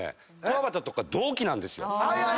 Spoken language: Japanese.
くわばたとか同期なんですよ。